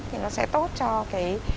thì nó sẽ tốt cho cái